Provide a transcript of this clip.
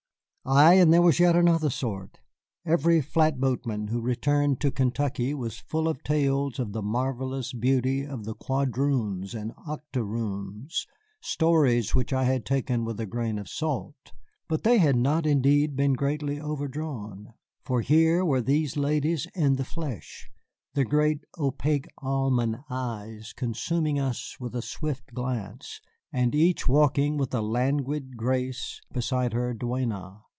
Ay, and there was yet another sort. Every flatboatman who returned to Kentucky was full of tales of the marvellous beauty of the quadroons and octoroons, stories which I had taken with a grain of salt; but they had not indeed been greatly overdrawn. For here were these ladies in the flesh, their great, opaque, almond eyes consuming us with a swift glance, and each walking with a languid grace beside her duenna.